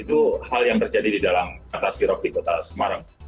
itu hal yang terjadi di dalam kata kata sirap di kota semarang